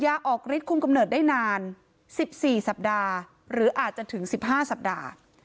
ยาออกฤทธคุมกำเนิดได้นาน๑๔สัปดาห์หรืออาจจะถึง๑๕สัปดาห์